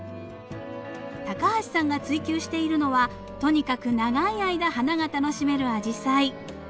高橋さんが追求しているのはとにかく長い間花が楽しめるアジサイ。